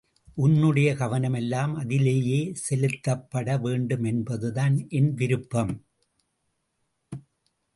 உன்னுடைய கவனமெல்லாம் அதிலேயே செலுத்தப்பட வேண்டுமென்பதுதான் என் விருப்பம்.